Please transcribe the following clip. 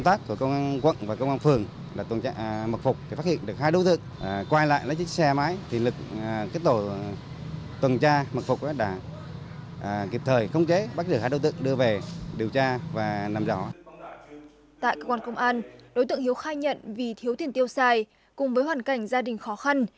tại cơ quan công an đối tượng hiếu khai nhận vì thiếu tiền tiêu xài cùng với hoàn cảnh gia đình khó khăn